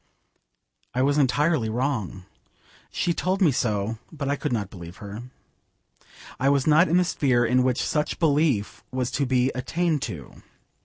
I was entirely wrong. She told me so, but I could not believe her. I was not in the sphere in which such belief was to be attained to.